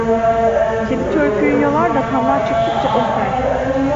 Kedi törpüyü yalar da kanlar çıktıkça oh der.